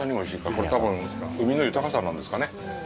これ、多分、海の豊かさなんですかね。